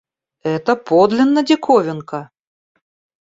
Это подлинно диковинка!